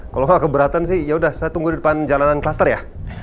kalau nggak keberatan sih yaudah saya tunggu di depan jalanan kluster ya